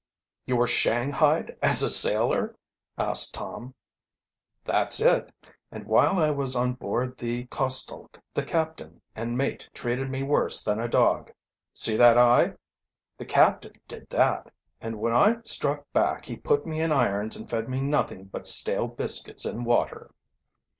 "You were shanghaied as a sailor?" asked Tom. "That's it, and while I was on board the Costelk the captain and mate treated me worse than a dog. See that eye? The captain did that, and when I struck back he put me in irons and fed me nothing but stale biscuits and water."